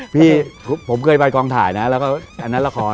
พี่ผมเคยไปกองถ่ายนะแล้วก็อันนั้นละคร